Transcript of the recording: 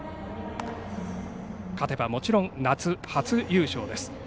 勝てばもちろん夏は初優勝です。